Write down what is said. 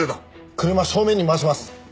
車正面に回します！